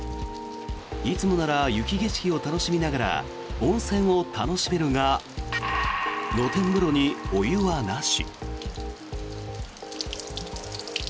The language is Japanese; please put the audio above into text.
いつもなら雪景色を楽しみながら温泉を楽しめるが露天風呂にお湯はなし。